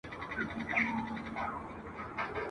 زور یې نه وو د شهپر د وزرونو ..